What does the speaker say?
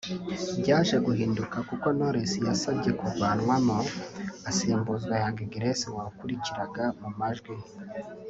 byaje guhinduka kuko Knowless yasabye kuvanwamo asimbuzwa Young Grace wakurikiraga mu majwi